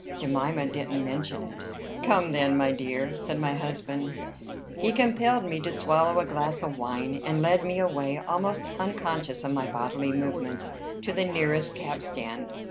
Jemima didn't mention it." "Come then, my dear," said my husband. He compelled me to swallow a glass of wine, and led me away, almost unconscious of my bodily movements, to the nearest cab stand.